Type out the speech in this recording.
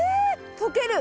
溶ける！